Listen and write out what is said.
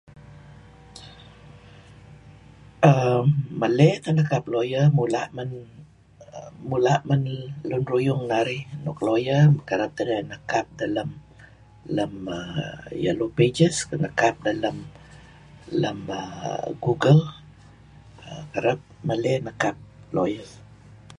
err meley teh nekap lawyer mula' men mula' men lun ruyung narih nuk lawyer kereb teh narih nekap deh lem yellow page nekap deh lem google kereb, meley nekap lawyers.